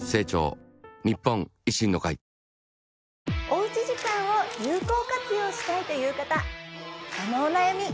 おうち時間を有効活用したいという方そのお悩み